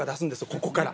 ここから。